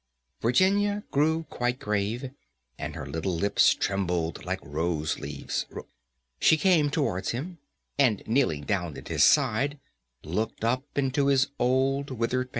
Virginia grew quite grave, and her little lips trembled like rose leaves. She came towards him, and kneeling down at his side, looked up into his old withered face.